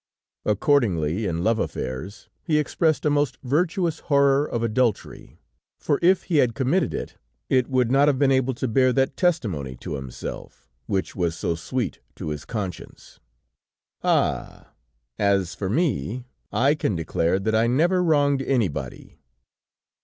Accordingly, in love affairs, he expressed a most virtuous horror of adultery, for if he had committed it, it would not have been able to bear that testimony to himself, which was so sweet to his conscience: "Ah! As for me, I can declare that I never wronged anybody!"